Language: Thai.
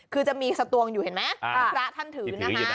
คือจะมีสตวงอยู่เห็นไหมที่พระท่านถือนะคะ